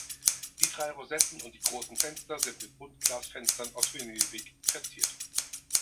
Die drei Rosetten und die großen Fenster sind mit Buntglasfenstern aus Venedig verziert.